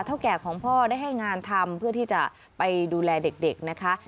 แก่ของพ่อได้ให้งานทำเพื่อที่จะไปดูแลเด็กนะคะ